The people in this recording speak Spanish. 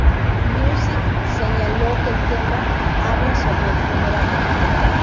Music señaló que el tema habla sobre el primer amor.